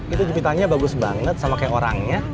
itu jepitannya bagus banget sama kayak orangnya